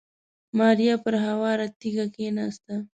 ماريا پر هوارې تيږې کېناسته.